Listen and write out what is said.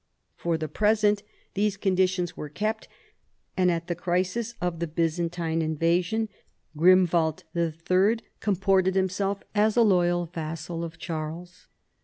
For the present these conditions were kept, and at the crisis of the Byzantine invasion Grimwald III. comported him 232 CHARLEMAGNE. self as a loyal vassal of Charles.